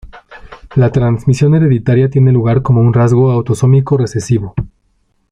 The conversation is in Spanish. La transmisión hereditaria tiene lugar como un rasgo autosómico recesivo.